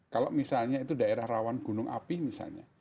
kalau misalnya itu daerah rawan gunung api misalnya